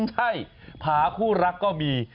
ใช่ผาคู่รักก็มี